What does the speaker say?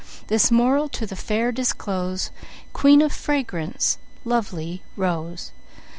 This Moral to the Fair disclose, Queen of Fragrance, lovely Rose.